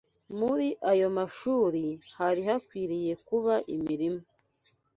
Muri ayo mashuri hari hakwiriye kuba imirima